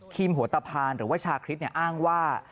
หัวตะพานหรือว่าชาคริสอ้างว่า